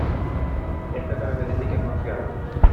Esta característica es más fiable.